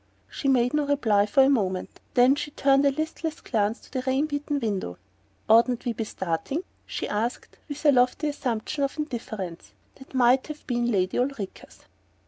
She made no reply for a moment; then she turned a listless glance to the rain beaten window. "Oughtn't we be starting?" she asked, with a lofty assumption of indifference that might have been Lady Ulrica's.